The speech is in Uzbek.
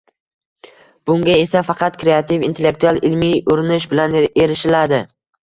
Bunga esa faqat kreativ intellektual-ilmiy urinish bilan erishiladi.